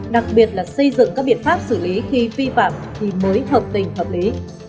đặc biệt là xây dựng các biện pháp xử lý khi vi phạm thì mới hợp tình hợp lý